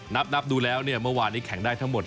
นับดูแล้วเนี่ยเมื่อวานนี้แข่งได้ทั้งหมด